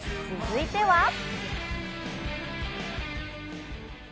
続いては。